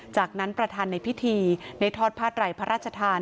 จากนั้นประธานในพิธีในทอดภาตรายพระราชธาน